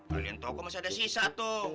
gadein toko masih ada sisa tuh